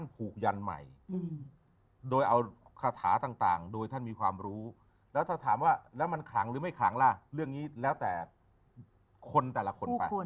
ผูกยันใหม่โดยเอาคาถาต่างโดยท่านมีความรู้แล้วถ้าถามว่าแล้วมันขลังหรือไม่ขลังล่ะเรื่องนี้แล้วแต่คนแต่ละคนไป